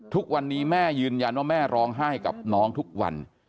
ทุกวันนี้แม่ยืนยันว่าแม่ร้องไห้กับน้องทุกวัน